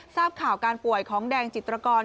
ทราบข่าวการป่วยของแดงจิตรกร